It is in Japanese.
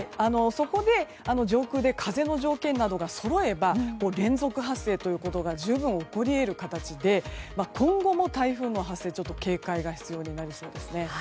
そこで、上空で風の条件などがそろえば連続発生ということが十分起こり得る形で今後も台風の発生警戒が必要になりそうです。